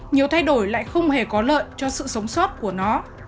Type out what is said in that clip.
nhiều thay đổi lại không hề có lợi cho sự sống sót của nó